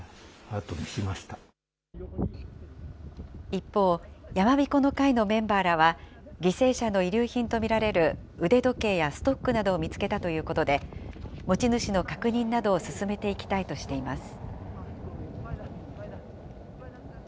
一方、山びこの会のメンバーらは、犠牲者の遺留品と見られる腕時計やストックなどを見つけたということで、持ち主の確認などを進めていきたいとしています。